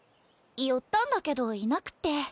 寄ったんだけどいなくって。